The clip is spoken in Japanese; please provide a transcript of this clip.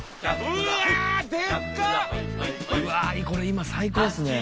うわこれ今最高ですね。